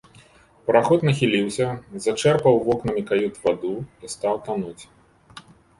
Параход нахіліўся, зачэрпаў вокнамі кают ваду і стаў тануць.